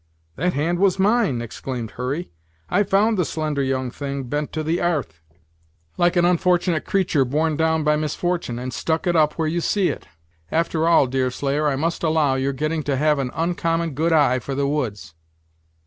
"That hand was mine!" exclaimed Hurry; "I found the slender young thing bent to the airth, like an unfortunate creatur' borne down by misfortune, and stuck it up where you see it. After all, Deerslayer, I must allow, you're getting to have an oncommon good eye for the woods!"